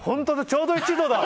ちょうど１度だ！